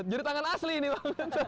jadi tangan asli ini bang